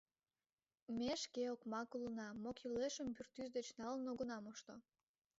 Ме шке окмак улына, мо кӱлешым пӱртӱс деч налын огына мошто.